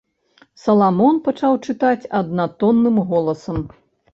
Саламон пачаў чытаць аднатонным голасам.